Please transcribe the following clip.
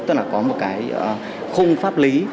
tức là có một khung pháp lý